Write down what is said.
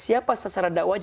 siapa sasaran dakwahnya